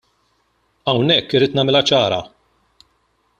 Hawnhekk irrid nagħmilha ċara.